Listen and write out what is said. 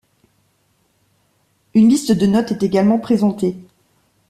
Une liste de notes est également présentée.